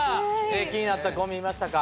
気になったコンビいましたか？